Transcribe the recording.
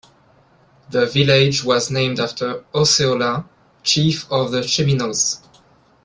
The village was named after Osceola, chief of the Seminoles.